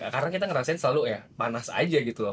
karena kita ngerasain selalu ya panas aja gitu loh